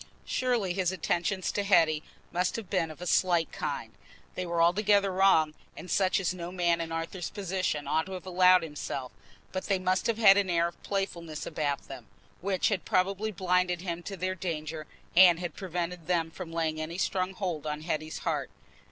Surely his attentions to Hetty must have been of a slight kind; they were altogether wrong, and such as no man in Arthur's position ought to have allowed himself, but they must have had an air of playfulness about them, which had probably blinded him to their danger and had prevented them from laying any strong hold on Hetty's heart.